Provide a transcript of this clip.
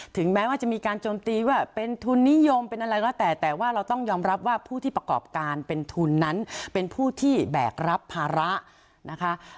ถึงแม้ว่าจะมีการโจมตีว่าเป็นทุนนิยมเป็นอะไรก็แล้วแต่แต่ว่าเราต้องยอมรับว่าผู้ที่ประกอบการเป็นทุนนั้นเป็นผู้ที่แบกรับภาระนะคะ